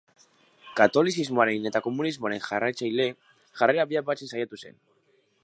Katolizismoaren eta komunismoaren jarraitzaile, jarrera biak batzen saiatu zen.